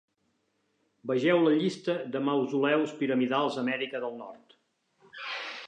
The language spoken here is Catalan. Vegeu la llista de mausoleus piramidals a Amèrica del Nord.